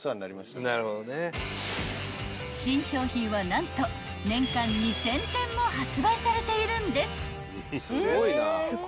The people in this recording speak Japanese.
［何と年間２，０００点も発売されているんです］